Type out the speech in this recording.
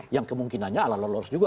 yang kemungkinannya ala ala harus juga